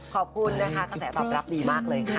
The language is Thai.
ขอบคุณนะคะกระแสตอบรับดีมากเลยค่ะ